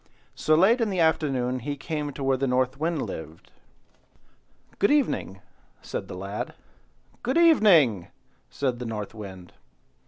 So late in the afternoon he came to where the North Wind lived. "Good evening!" said the lad. "Good evening!" said the North Wind.